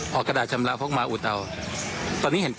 เพราะว่าถ้าแค่ปล่อยไว้อย่างนี้มัน